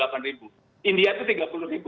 filipina itu sekian belas ribu